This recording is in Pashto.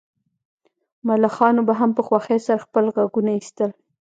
ملخانو به هم په خوښۍ سره خپل غږونه ایستل